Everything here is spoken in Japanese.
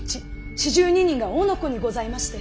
四十二人が男子にございまして。